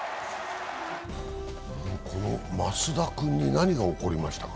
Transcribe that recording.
この益田君に何が起こりましたか？